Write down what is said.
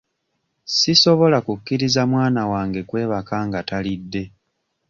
Sisobola kukkiriza mwana wange kwebaka nga talidde.